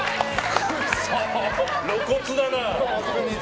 露骨だなあ。